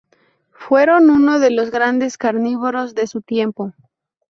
Fueron uno de los grandes carnívoros de su tiempo.